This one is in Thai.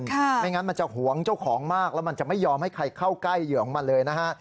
ไม่งั้นมันจะหวงเจ้าของมากแล้วมันจะไม่ยอมให้ใครเข้าใกล้เหยื่อของมันเลยนะฮะ